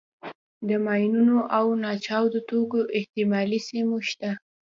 د ماینونو او ناچاودو توکو احتمالي سیمې شته.